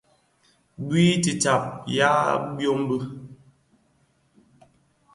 Bui titsàb yaà bwem bi.